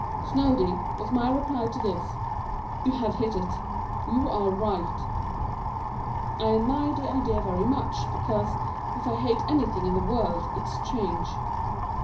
" Snoady," was my reply to this, "you have hit it. You are right!" I admired the idea very much, because, if I hate any thing in the world, it's change.